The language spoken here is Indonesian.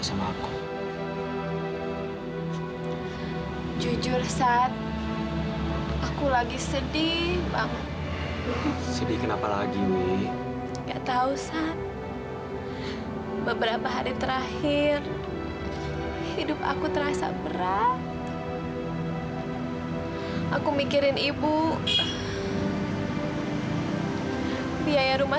sampai jumpa di video selanjutnya